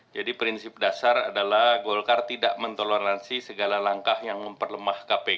jadi prinsip dasar adalah golkar tidak mentoleransi segala langkah yang memperlemah kpk